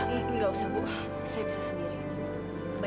aku sudah pulang dari rumah